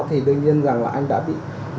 thì đương nhiên là anh đã bị